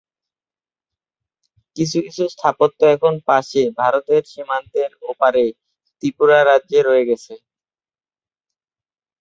কিছু কিছু স্থাপত্য এখন পাশে ভারতের সীমান্তের ওপারে ত্রিপুরা রাজ্যে রয়ে গেছে।